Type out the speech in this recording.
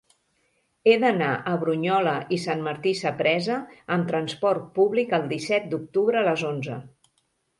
He d'anar a Brunyola i Sant Martí Sapresa amb trasport públic el disset d'octubre a les onze.